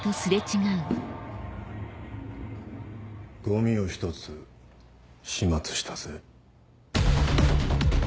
ゴミを一つ始末したぜ。